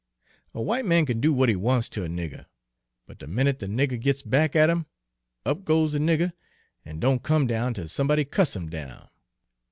A w'ite man kin do w'at he wants ter a nigger, but de minute de nigger gits back at 'im, up goes de nigger, an' don' come down tell somebody cuts 'im down.